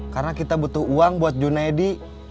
karena kita butuh uang buat junedi